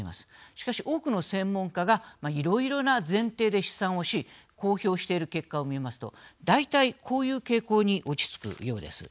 しかし、多くの専門家がいろいろな前提で試算をし公表している結果を見ますと大体、こういう傾向に落ち着くようです。